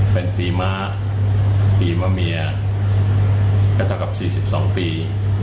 เป็นปีม้าปีมะเมียก็เท่ากับ๔๒ปี